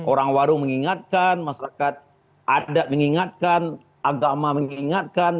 orang warung mengingatkan masyarakat adat mengingatkan agama mengingatkan